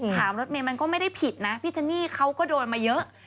รถเมย์มันก็ไม่ได้ผิดนะพี่เจนี่เขาก็โดนมาเยอะ